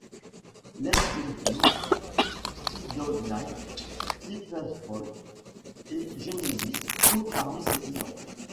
Led Zeppelin, Three Dog Night, Steppenwolf et Genesis comptent parmi ses clients.